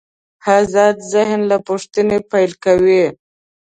آزاد ذهن له پوښتنې پیل کوي.